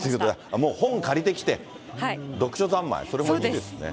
もう、本借りてきて、読書三昧、それもいいですね。